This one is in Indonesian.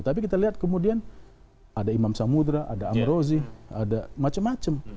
tapi kita lihat kemudian ada imam samudera ada amrozi ada macam macam